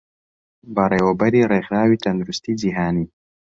بەڕێوەبەری ڕێکخراوەی تەندروستیی جیهانی